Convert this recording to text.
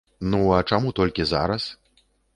Ну, а чаму толькі зараз!?